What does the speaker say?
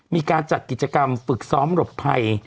มีการจัดกิจกรรมฝึกซ้อมหลบภัย